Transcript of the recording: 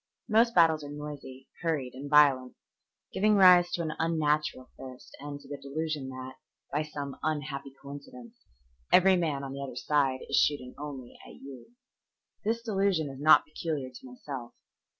Most battles are noisy, hurried, and violent, giving rise to an unnatural thirst and to the delusion that, by some unhappy coincidence, every man on the other side is shooting only at you. This delusion is not peculiar to myself.